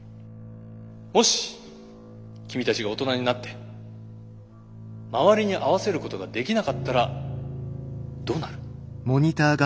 もし君たちが大人になって周りに合わせることができなかったらどうなる？